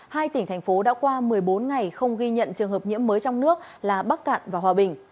hai tỉnh thành phố đã qua một mươi bốn ngày không ghi nhận trường hợp nhiễm mới trong nước là bắc cạn và hòa bình